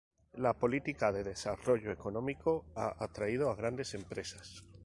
La política de desarrollo económico ha atraído a grandes empresas.